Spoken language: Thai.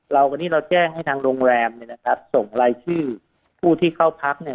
เราวันนี้เราแจ้งให้ทางโรงแรมเนี่ยนะครับส่งรายชื่อผู้ที่เข้าพักเนี่ย